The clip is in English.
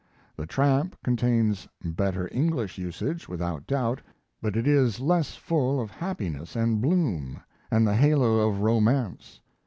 The Tramp contains better English usage, without doubt, but it is less full of happiness and bloom and the halo of romance.